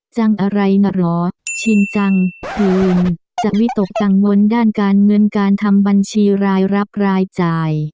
จังอะไรน่ะเหรอชินจังคืนจะวิตกกังวลด้านการเงินการทำบัญชีรายรับรายจ่าย